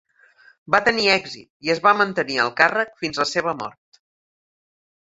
Va tenir èxit, i es va mantenir al càrrec fins la seva mort.